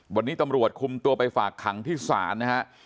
วันนี้ตำรวจคุมตัวไปฝากขังที่ศาลนะฮะ